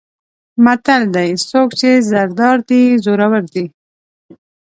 متل دی: څوک چې زر دار دی زورور دی.